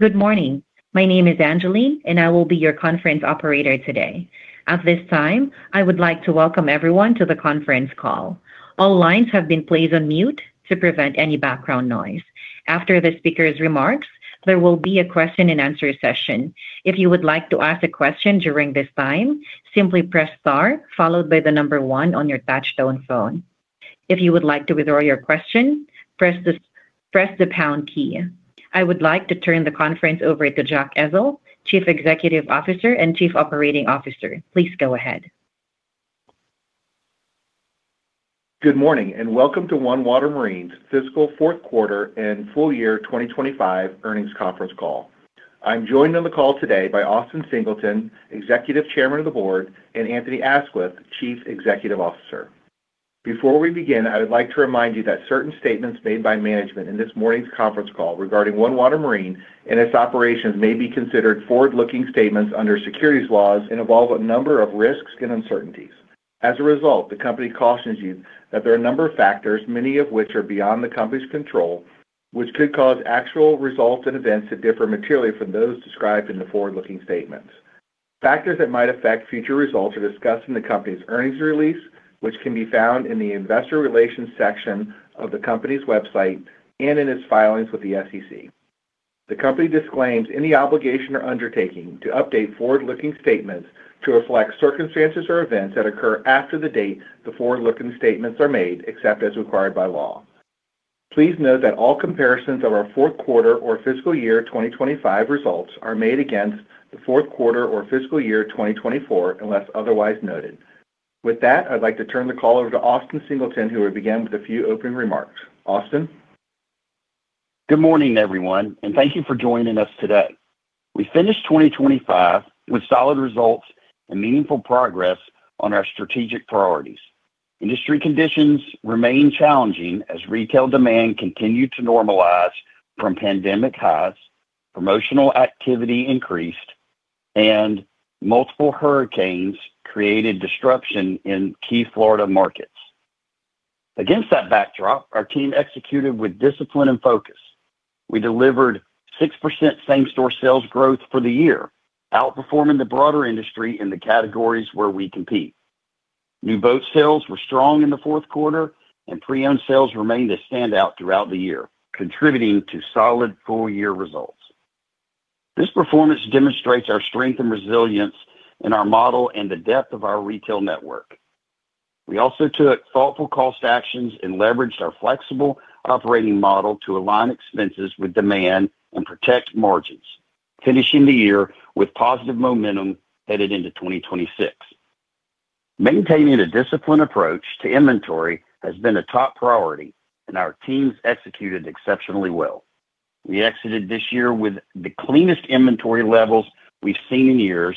Good morning. My name is Angeline, and I will be your conference operator today. At this time, I would like to welcome everyone to the conference call. All lines have been placed on mute to prevent any background noise. After the speaker's remarks, there will be a question-and-answer session. If you would like to ask a question during this time, simply press star, followed by the number one on your touch-tone phone. If you would like to withdraw your question, press the pound key. I would like to turn the conference over to Jack Ezzell, Chief Financial Officer and Chief Operating Officer. Please go ahead. Good morning, and welcome to OneWater Marine's fiscal fourth quarter and full year 2025 earnings conference call. I'm joined on the call today by Austin Singleton, Executive Chairman of the Board, and Anthony Aisquith, Chief Executive Officer. Before we begin, I would like to remind you that certain statements made by management in this morning's conference call regarding OneWater Marine and its operations may be considered forward-looking statements under securities laws and involve a number of risks and uncertainties. As a result, the company cautions you that there are a number of factors, many of which are beyond the company's control, which could cause actual results and events that differ materially from those described in the forward-looking statements. Factors that might affect future results are discussed in the company's earnings release, which can be found in the investor relations section of the company's website and in its filings with the SEC. The company disclaims any obligation or undertaking to update forward-looking statements to reflect circumstances or events that occur after the date the forward-looking statements are made, except as required by law. Please note that all comparisons of our fourth quarter or fiscal year 2025 results are made against the fourth quarter or fiscal year 2024 unless otherwise noted. With that, I'd like to turn the call over to Austin Singleton, who will begin with a few opening remarks. Austin. Good morning, everyone, and thank you for joining us today. We finished 2025 with solid results and meaningful progress on our strategic priorities. Industry conditions remain challenging as retail demand continued to normalize from pandemic highs, promotional activity increased, and multiple hurricanes created disruption in key Florida markets. Against that backdrop, our team executed with discipline and focus. We delivered 6% same-store sales growth for the year, outperforming the broader industry in the categories where we compete. New boat sales were strong in the fourth quarter, and pre-owned sales remained a standout throughout the year, contributing to solid full-year results. This performance demonstrates our strength and resilience in our model and the depth of our retail network. We also took thoughtful cost actions and leveraged our flexible operating model to align expenses with demand and protect margins, finishing the year with positive momentum headed into 2026. Maintaining a disciplined approach to inventory has been a top priority, and our teams executed exceptionally well. We exited this year with the cleanest inventory levels we've seen in years,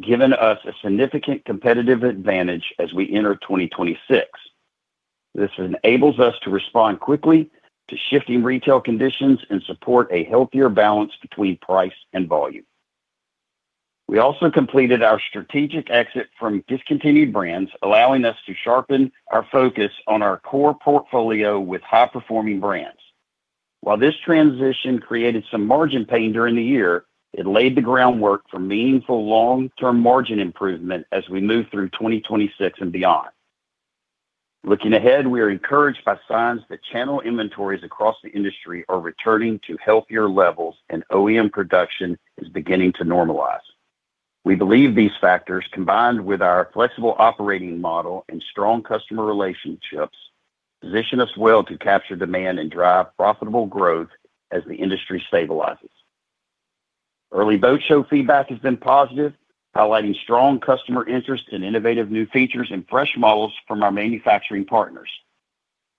giving us a significant competitive advantage as we enter 2026. This enables us to respond quickly to shifting retail conditions and support a healthier balance between price and volume. We also completed our strategic exit from discontinued brands, allowing us to sharpen our focus on our core portfolio with high-performing brands. While this transition created some margin pain during the year, it laid the groundwork for meaningful long-term margin improvement as we move through 2026 and beyond. Looking ahead, we are encouraged by signs that channel inventories across the industry are returning to healthier levels and OEM production is beginning to normalize. We believe these factors, combined with our flexible operating model and strong customer relationships, position us well to capture demand and drive profitable growth as the industry stabilizes. Early boat show feedback has been positive, highlighting strong customer interest in innovative new features and fresh models from our manufacturing partners.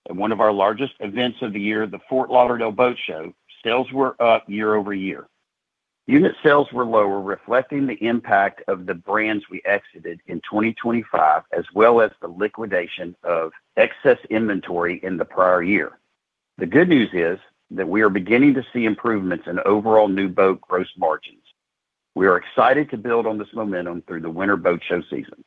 At one of our largest events of the year, the Fort Lauderdale Boat Show, sales were up year-over-year. Unit sales were lower, reflecting the impact of the brands we exited in 2025, as well as the liquidation of excess inventory in the prior year. The good news is that we are beginning to see improvements in overall new boat gross margins. We are excited to build on this momentum through the winter boat show season.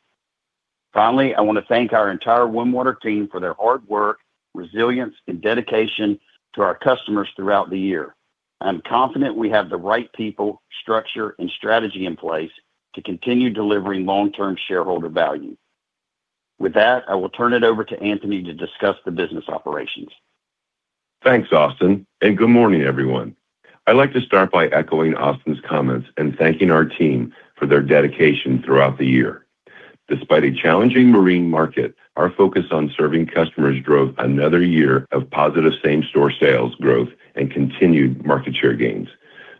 Finally, I want to thank our entire OneWater team for their hard work, resilience, and dedication to our customers throughout the year. I'm confident we have the right people, structure, and strategy in place to continue delivering long-term shareholder value. With that, I will turn it over to Anthony to discuss the business operations. Thanks, Austin, and good morning, everyone. I'd like to start by echoing Austin's comments and thanking our team for their dedication throughout the year. Despite a challenging marine market, our focus on serving customers drove another year of positive same-store sales growth and continued market share gains.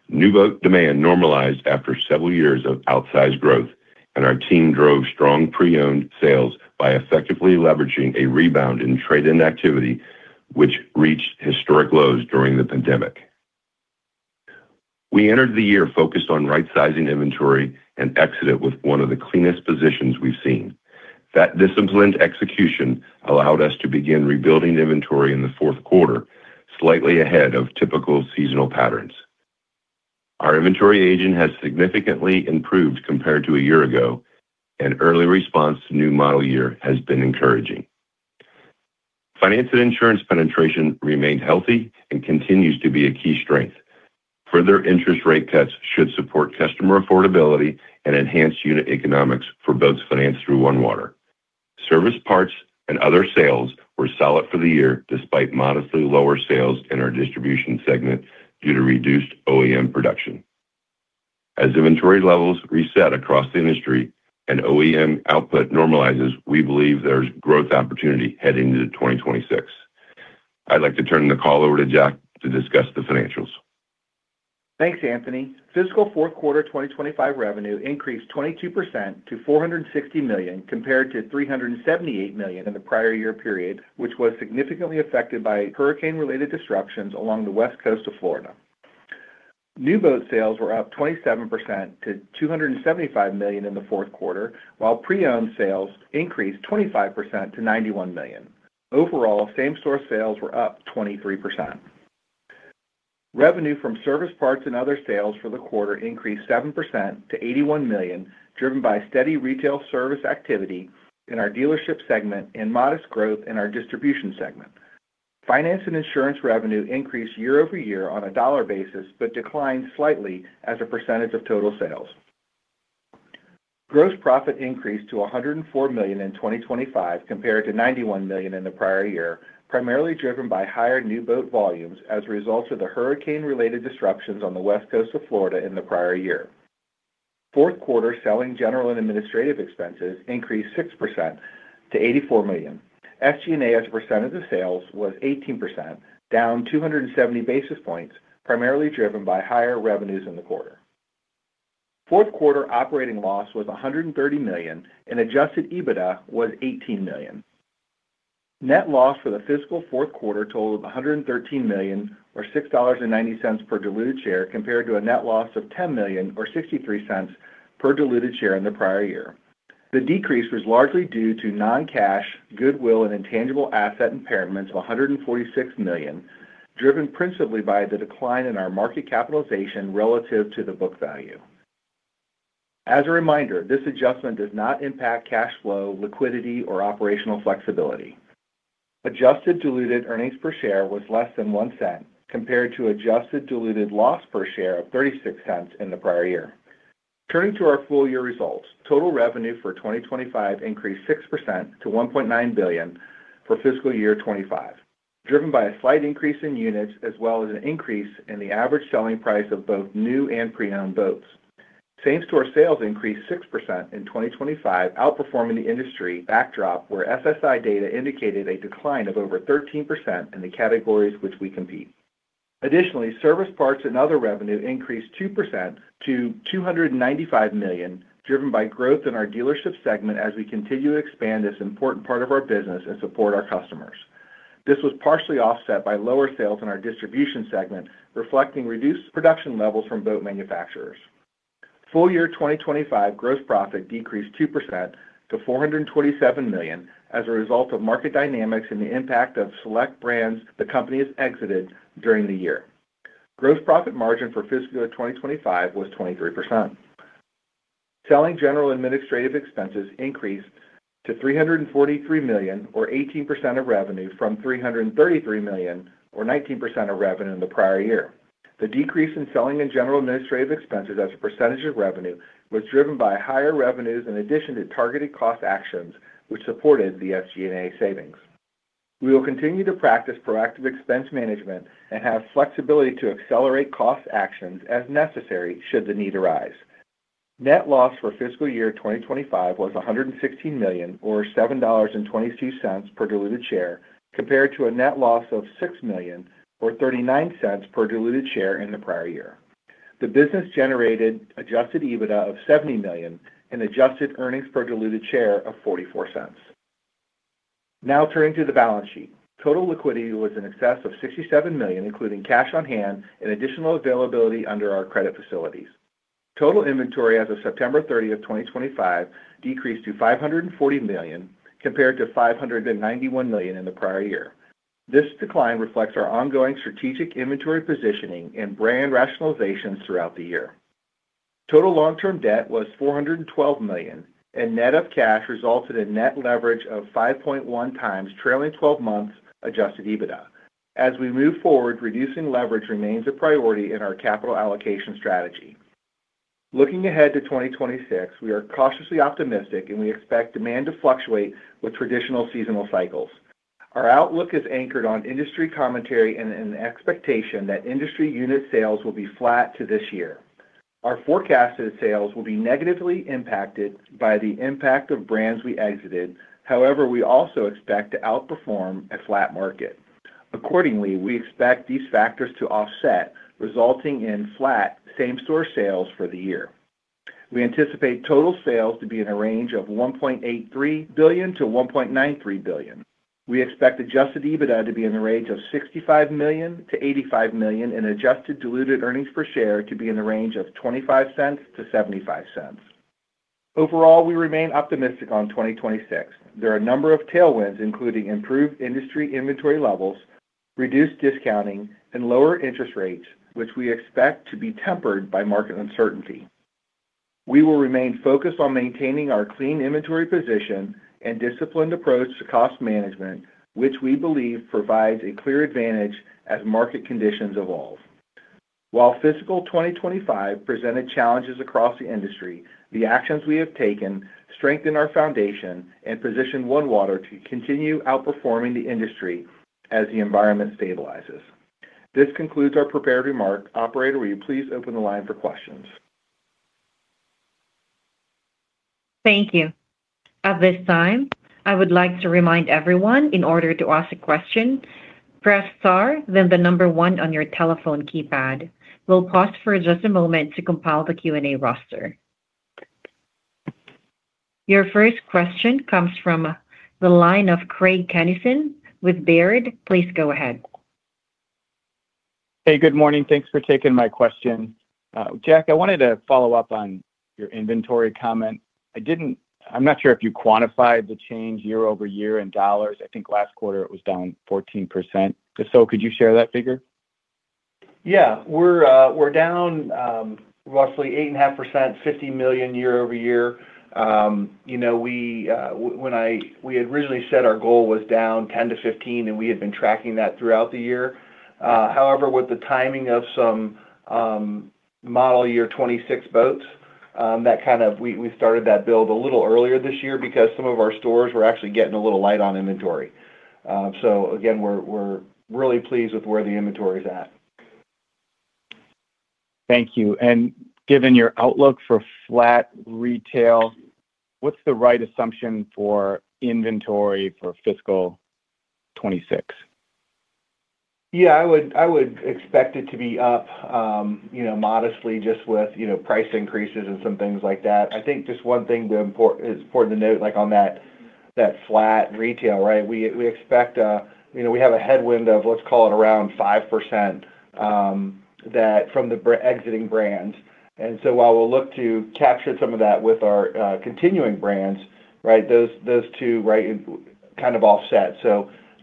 New boat demand normalized after several years of outsized growth, and our team drove strong pre-owned sales by effectively leveraging a rebound in trade-in activity, which reached historic lows during the pandemic. We entered the year focused on right-sizing inventory and exited with one of the cleanest positions we've seen. That disciplined execution allowed us to begin rebuilding inventory in the fourth quarter, slightly ahead of typical seasonal patterns. Our inventory aging has significantly improved compared to a year ago, and early response to new model year has been encouraging. Finance and insurance penetration remained healthy and continues to be a key strength. Further interest rate cuts should support customer affordability and enhance unit economics for boats financed through OneWater. Service parts and other sales were solid for the year despite modestly lower sales in our distribution segment due to reduced OEM production. As inventory levels reset across the industry and OEM output normalizes, we believe there's growth opportunity heading into 2026. I'd like to turn the call over to Jack to discuss the financials. Thanks, Anthony. Fiscal fourth quarter 2025 revenue increased 22% to $460 million compared to $378 million in the prior year period, which was significantly affected by hurricane-related disruptions along the west coast of Florida. New boat sales were up 27% to $275 million in the fourth quarter, while pre-owned sales increased 25% to $91 million. Overall, same-store sales were up 23%. Revenue from service parts and other sales for the quarter increased 7% to $81 million, driven by steady retail service activity in our dealership segment and modest growth in our distribution segment. Finance and insurance revenue increased year-over-year on a dollar basis but declined slightly as a percentage of total sales. Gross profit increased to $104 million in 2025 compared to $91 million in the prior year, primarily driven by higher new boat volumes as a result of the hurricane-related disruptions on the west coast of Florida in the prior year. Fourth quarter selling, general, and administrative expenses increased 6% to $84 million. SG&A as a percentage of sales was 18%, down 270 basis points, primarily driven by higher revenues in the quarter. Fourth quarter operating loss was $130 million, and adjusted EBITDA was $18 million. Net loss for the fiscal fourth quarter totaled $113 million, or $6.90 per diluted share, compared to a net loss of $10 million, or $0.63 per diluted share in the prior year. The decrease was largely due to non-cash goodwill and intangible asset impairments of $146 million, driven principally by the decline in our market capitalization relative to the book value. As a reminder, this adjustment does not impact cash flow, liquidity, or operational flexibility. Adjusted diluted earnings per share was less than $0.01 compared to adjusted diluted loss per share of $0.36 in the prior year. Turning to our full-year results, total revenue for 2025 increased 6% to $1.9 billion for fiscal year 2025, driven by a slight increase in units as well as an increase in the average selling price of both new and pre-owned boats. Same-store sales increased 6% in 2025, outperforming the industry backdrop where SSI data indicated a decline of over 13% in the categories which we compete. Additionally, service parts and other revenue increased 2% to $295 million, driven by growth in our dealership segment as we continue to expand this important part of our business and support our customers. This was partially offset by lower sales in our distribution segment, reflecting reduced production levels from boat manufacturers. Full-year 2025 gross profit decreased 2% to $427 million as a result of market dynamics and the impact of select brands the company has exited during the year. Gross profit margin for fiscal year 2025 was 23%. Selling, general, and administrative expenses increased to $343 million, or 18% of revenue, from $333 million, or 19% of revenue in the prior year. The decrease in selling, general, and administrative expenses as a percentage of revenue was driven by higher revenues in addition to targeted cost actions, which supported the SG&A savings. We will continue to practice proactive expense management and have flexibility to accelerate cost actions as necessary should the need arise. Net loss for fiscal year 2025 was $116 million, or $7.22 per diluted share, compared to a net loss of $6.39 per diluted share in the prior year. The business generated adjusted EBITDA of $70 million and adjusted earnings per diluted share of $0.44. Now turning to the balance sheet, total liquidity was in excess of $67 million, including cash on hand and additional availability under our credit facilities. Total inventory as of September 30, 2025, decreased to $540 million compared to $591 million in the prior year. This decline reflects our ongoing strategic inventory positioning and brand rationalizations throughout the year. Total long-term debt was $412 million, and net of cash resulted in net leverage of 5.1x trailing 12 months adjusted EBITDA. As we move forward, reducing leverage remains a priority in our capital allocation strategy. Looking ahead to 2026, we are cautiously optimistic, and we expect demand to fluctuate with traditional seasonal cycles. Our outlook is anchored on industry commentary and an expectation that industry unit sales will be flat to this year. Our forecasted sales will be negatively impacted by the impact of brands we exited, however, we also expect to outperform at flat market. Accordingly, we expect these factors to offset, resulting in flat same-store sales for the year. We anticipate total sales to be in a range of $1.83 billion-$1.93 billion. We expect adjusted EBITDA to be in the range of $65 million-$85 million and adjusted diluted earnings per share to be in the range of $0.25-$0.75. Overall, we remain optimistic on 2026. There are a number of tailwinds, including improved industry inventory levels, reduced discounting, and lower interest rates, which we expect to be tempered by market uncertainty. We will remain focused on maintaining our clean inventory position and disciplined approach to cost management, which we believe provides a clear advantage as market conditions evolve. While fiscal 2025 presented challenges across the industry, the actions we have taken strengthen our foundation and position OneWater to continue outperforming the industry as the environment stabilizes. This concludes our prepared remark. Operator, will you please open the line for questions? Thank you. At this time, I would like to remind everyone, in order to ask a question, press star then the number one on your telephone keypad. We'll pause for just a moment to compile the Q&A roster. Your first question comes from the line of Craig Kennison with Baird. Please go ahead. Hey, good morning. Thanks for taking my question. Jack, I wanted to follow up on your inventory comment. I'm not sure if you quantified the change year-over-year in dollars. I think last quarter it was down 14%. So could you share that figure? Yeah. We're down roughly 8.5%, $50 million year-over-year. You know, when I originally said our goal was down 10%-15%, and we had been tracking that throughout the year. However, with the timing of some model year 2026 boats, that kind of we started that build a little earlier this year because some of our stores were actually getting a little light on inventory. Again, we're really pleased with where the inventory is at. Thank you. Given your outlook for flat retail, what's the right assumption for inventory for fiscal 2026? Yeah, I would expect it to be up, you know, modestly, just with, you know, price increases and some things like that. I think just one thing important to note, like on that flat retail, right, we expect, you know, we have a headwind of, let's call it around 5% from the exiting brands. And so while we'll look to capture some of that with our continuing brands, right, those two kind of offset.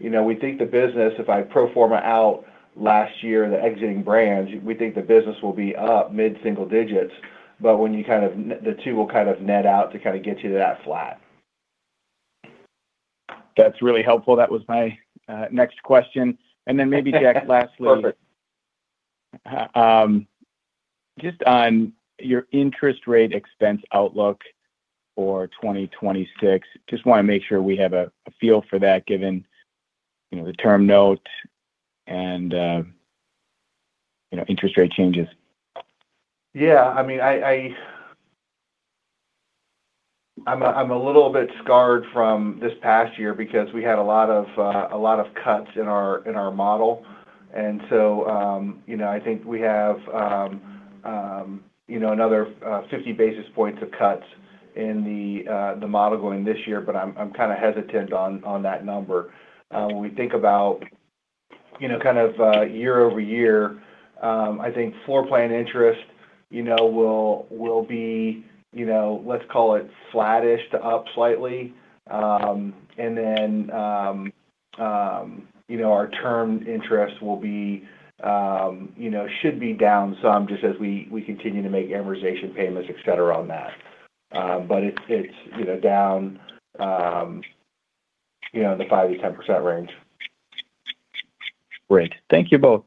You know, we think the business, if I pro-forma out last year the exiting brands, we think the business will be up mid-single digits. When you kind of the two will kind of net out to kind of get you to that flat. That's really helpful. That was my next question. Maybe, Jack, lastly, just on your interest rate expense outlook for 2026, just want to make sure we have a feel for that, given, you know, the term note and, you know, interest rate changes. Yeah. I mean, I'm a little bit scarred from this past year because we had a lot of cuts in our model. And so, you know, I think we have, you know, another 50 basis points of cuts in the model going this year, but I'm kind of hesitant on that number. When we think about, you know, kind of year-over-year, I think floor plan interest, you know, will be, you know, let's call it flattish to up slightly. And then, you know, our term interest will be, you know, should be down some just as we continue to make amortization payments, et cetera, on that. But it's, you know, down, you know, in the 5%-10% range. Great. Thank you both.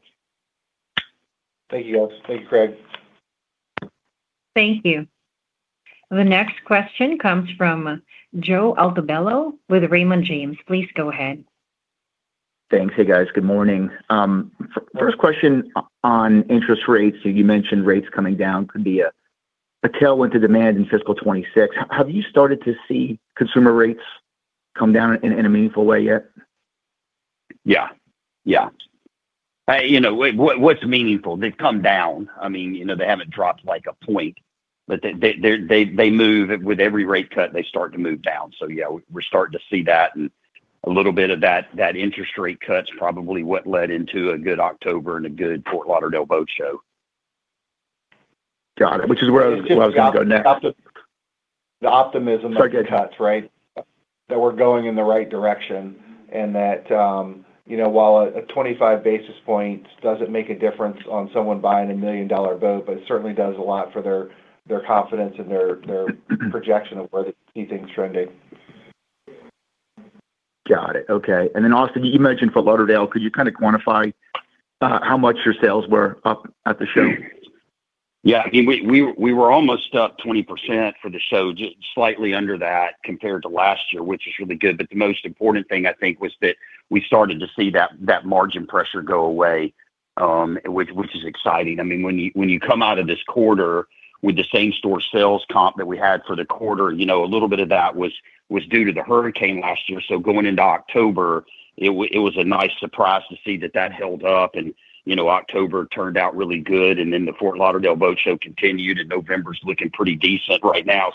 Thank you, all. Thank you, Craig. Thank you. The next question comes from Joe Altobello with Raymond James. Please go ahead. Thanks. Hey, guys. Good morning. First question on interest rates. You mentioned rates coming down could be a tailwind to demand in fiscal 2026. Have you started to see consumer rates come down in a meaningful way yet? Yeah. Yeah. You know, what's meaningful? They've come down. I mean, you know, they haven't dropped like a point, but they move with every rate cut, they start to move down. Yeah, we're starting to see that. And a little bit of that interest rate cut is probably what led into a good October and a good Fort Lauderdale boat show. Got it. Which is where I was going to go next. The optimism of the cuts, right? That we're going in the right direction and that, you know, while a 25 basis point doesn't make a difference on someone buying a million-dollar boat, but it certainly does a lot for their confidence and their projection of where they see things trending. Got it. Okay. Austin, you mentioned Fort Lauderdale. Could you kind of quantify how much your sales were up at the show? Yeah. I mean, we were almost up 20% for the show, just slightly under that compared to last year, which is really good. The most important thing, I think, was that we started to see that margin pressure go away, which is exciting. I mean, when you come out of this quarter with the same-store sales comp that we had for the quarter, you know, a little bit of that was due to the hurricane last year. Going into October, it was a nice surprise to see that that held up. You know, October turned out really good. The Fort Lauderdale boat show continued, and November is looking pretty decent right now.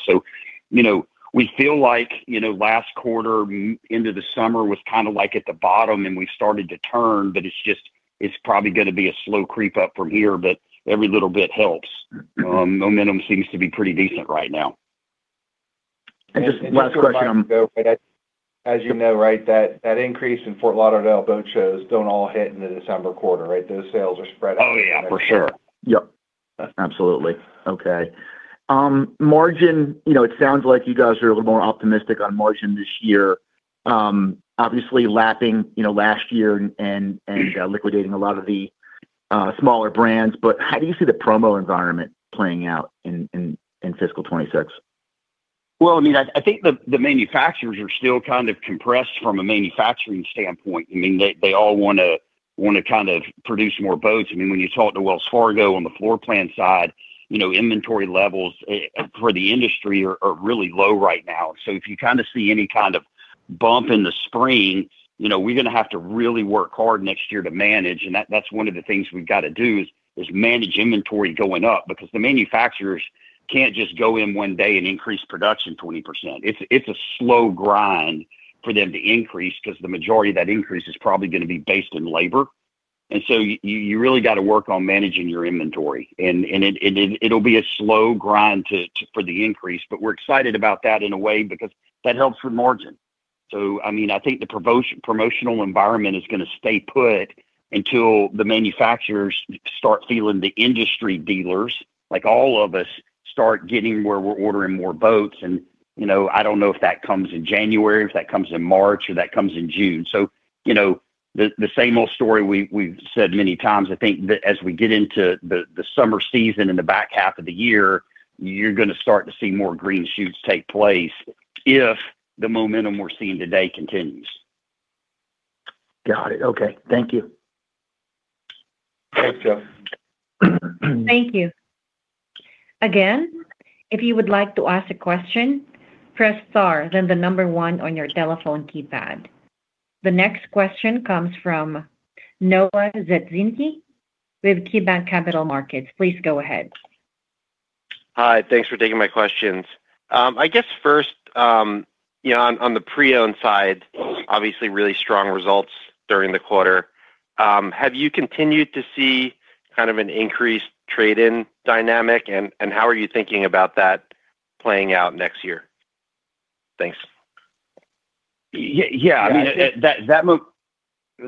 You know, we feel like, you know, last quarter into the summer was kind of like at the bottom, and we've started to turn, but it's just, it's probably going to be a slow creep up from here, but every little bit helps. Momentum seems to be pretty decent right now. Just last question. As you know, right, that increase in Fort Lauderdale boat shows do not all hit in the December quarter, right? Those sales are spread out. Oh, yeah, for sure. Yep. Absolutely. Okay. Margin, you know, it sounds like you guys are a little more optimistic on margin this year, obviously lapping, you know, last year and liquidating a lot of the smaller brands. How do you see the promo environment playing out in fiscal 2026? I mean, I think the manufacturers are still kind of compressed from a manufacturing standpoint. I mean, they all want to kind of produce more boats. I mean, when you talk to Wells Fargo on the floor plan side, you know, inventory levels for the industry are really low right now. If you kind of see any kind of bump in the spring, you know, we're going to have to really work hard next year to manage. That's one of the things we've got to do is manage inventory going up because the manufacturers can't just go in one day and increase production 20%. It's a slow grind for them to increase because the majority of that increase is probably going to be based in labor. You really got to work on managing your inventory. It'll be a slow grind for the increase, but we're excited about that in a way because that helps with margin. I mean, I think the promotional environment is going to stay put until the manufacturers start feeling the industry dealers, like all of us, start getting where we're ordering more boats. You know, I don't know if that comes in January, if that comes in March, or that comes in June. The same old story we've said many times. I think that as we get into the summer season in the back half of the year, you're going to start to see more green shoots take place if the momentum we're seeing today continues. Got it. Okay. Thank you. Thanks, Joe. Thank you. Again, if you would like to ask a question, press star then the number one on your telephone keypad. The next question comes from Noah Zatzkin with KeyBanc Capital Markets. Please go ahead. Hi. Thanks for taking my questions. I guess first, you know, on the pre-owned side, obviously really strong results during the quarter. Have you continued to see kind of an increased trade-in dynamic, and how are you thinking about that playing out next year? Thanks. Yeah. I mean,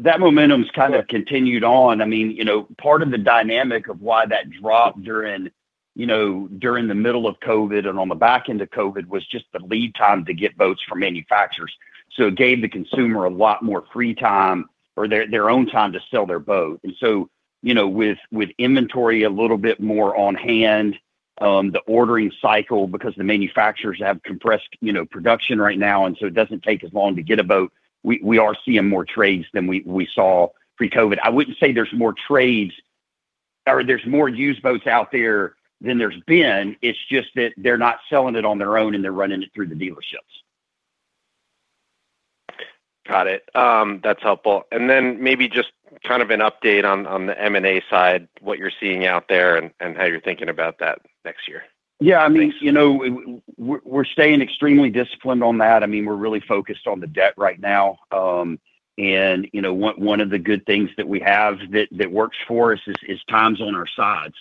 that momentum has kind of continued on. I mean, you know, part of the dynamic of why that dropped during, you know, during the middle of COVID and on the back end of COVID was just the lead time to get boats from manufacturers. So it gave the consumer a lot more free time or their own time to sell their boat. And so, you know, with inventory a little bit more on hand, the ordering cycle, because the manufacturers have compressed, you know, production right now, and so it does not take as long to get a boat, we are seeing more trades than we saw pre-COVID. I would not say there are more trades or there are more used boats out there than there have been. It is just that they are not selling it on their own, and they are running it through the dealerships. Got it. That's helpful. Maybe just kind of an update on the M&A side, what you're seeing out there and how you're thinking about that next year. Yeah. I mean, you know, we're staying extremely disciplined on that. I mean, we're really focused on the debt right now. And, you know, one of the good things that we have that works for us is time's on our side.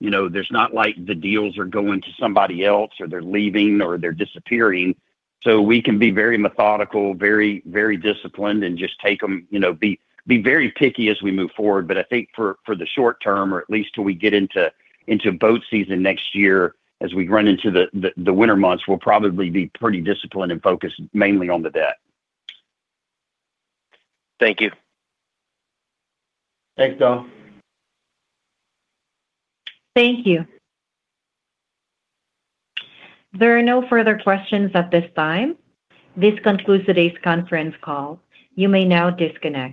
You know, it's not like the deals are going to somebody else or they're leaving or they're disappearing. We can be very methodical, very disciplined, and just take them, you know, be very picky as we move forward. I think for the short term, or at least till we get into boat season next year, as we run into the winter months, we'll probably be pretty disciplined and focused mainly on the debt. Thank you. Thanks, Noah. Thank you. There are no further questions at this time. This concludes today's conference call. You may now disconnect.